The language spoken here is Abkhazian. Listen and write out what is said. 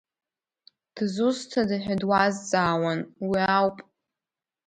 Дзусҭада ҳәа дуазҵаауан, уи ауп…